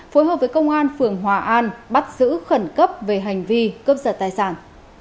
phối hợp với công an phường hòa an bắt giữ khẩn cấp về hành vi cướp giật tài sản